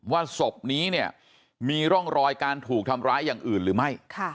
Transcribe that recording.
ศพนี้เนี่ยมีร่องรอยการถูกทำร้ายอย่างอื่นหรือไม่